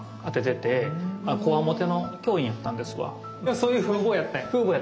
そういう風貌やったんや。